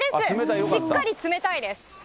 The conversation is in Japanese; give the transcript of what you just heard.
しっかり冷たいです。